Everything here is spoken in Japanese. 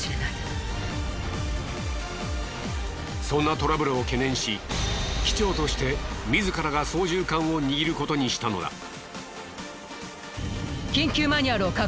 そんなトラブルを懸念し機長として自らが操縦桿を握ることにしたのだ。